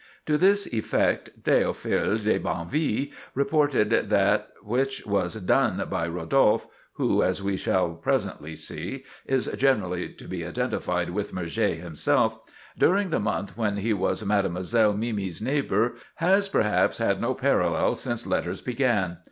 To this effect Théophile de Banville reported that "that which was done by Rodolphe"—who, as we shall presently see, is generally to be identified with Murger himself—"during the month when he was Mademoiselle Mimi's neighbor, has perhaps had no parallel since letters began.